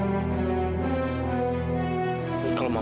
jangan bercayain aku